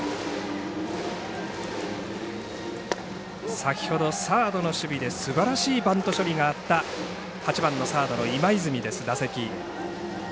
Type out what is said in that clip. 先ほどサードの守備ですばらしいバント処理があった打席は、８番のサードの今泉です。